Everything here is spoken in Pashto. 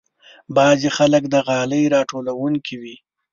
بعضې خلک د غالۍ راټولونه کوي.